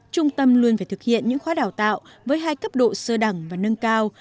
trung tâm luôn phải thực hiện những khóa đào tạo với hai cấp độ sơ đẳng và nâng cao